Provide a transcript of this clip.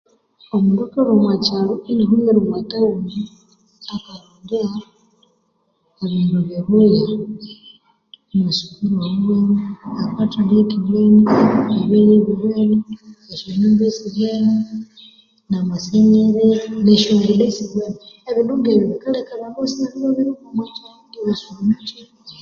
Omundu akalhwa omwakyalo inahumira omwa tawuni akarondya ebindu bibuya, amasukuru awiwene, akathali akiwene, ebyalya ebiwene, esya nyumba esiwene, namasenyerezi, nesyonguda esiwene. Ebindu ngebyo bikaleka abandu ibayisangana ibabirilhwa omwa kyalo ibasuba omu kyi?